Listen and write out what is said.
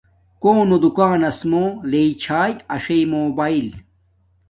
کونو دوکاناس مُو لݵ چھاݵ اݽݵ موباݵل